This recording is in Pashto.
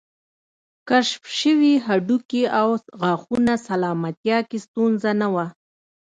کشف شوي هډوکي او غاښونه سلامتیا کې ستونزه نه وه